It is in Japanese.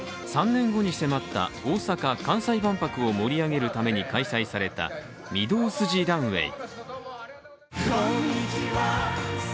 ３年後に迫った、大阪・関西万博を盛り上げるために開催された御堂筋ランウェイ。